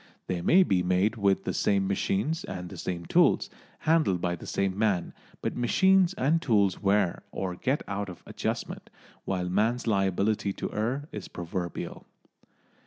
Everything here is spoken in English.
They may be made with the same machines and the same tools, handled by the same man, but machines and tools wear or get out of adjustment, while man's liability to err is proverbial.